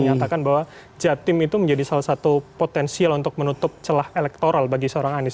menyatakan bahwa jatim itu menjadi salah satu potensial untuk menutup celah elektoral bagi seorang anies